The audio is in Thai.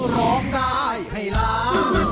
ร้องได้ให้ล้าน